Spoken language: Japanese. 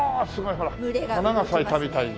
ほら花が咲いたみたいに。